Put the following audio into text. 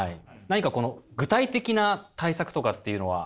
何かこの具体的な対策とかっていうのは？